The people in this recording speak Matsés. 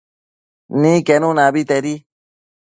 Niquenuna abetedi